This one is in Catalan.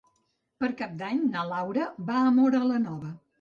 Per Cap d'Any na Laura va a Móra la Nova.